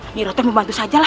nyirote membantu saja lah